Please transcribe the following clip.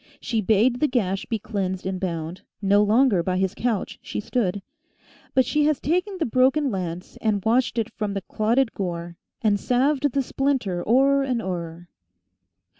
She bade the gash be cleansed and bound : No longer by his couch she stood ; But she has ta'en the broken lance. And washed it from the clotted gore, And salved the splinter o'er and o'er.